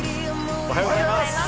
おはようございます。